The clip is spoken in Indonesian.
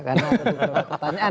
karena itu pertanyaan